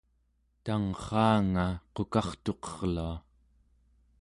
tangrraanga qukartuqerlua